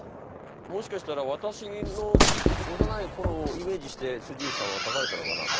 もしかしたら私の幼い頃をイメージして内さんは書かれたのかなと。